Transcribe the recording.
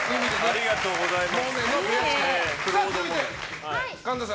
ありがとうございます。